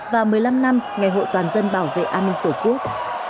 và một mươi năm năm ngày hội toàn dân bảo vệ an ninh tổ quốc